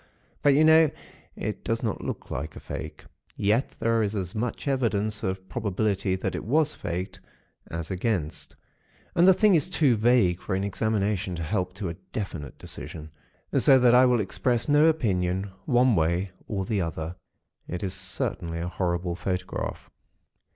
But, you know, it does not look like a fake. Yet, there is as much evidence of probability that it was faked, as against; and the thing is too vague for an examination to help to a definite decision; so that I will express no opinion, one way or the other. It is certainly a horrible photograph.